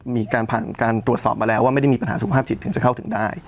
มีการผ่านการตรวจสอบมาแล้วว่าไม่ได้มีปัญหาสุขภาพจิตถึงจะเข้าถึงได้